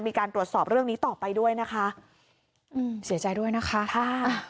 มีการตรวจสอบเรื่องนี้ต่อไปด้วยนะคะอืมเสียใจด้วยนะคะค่ะ